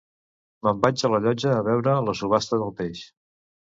Me'n vaig a la llotja a veure la subhasta del peix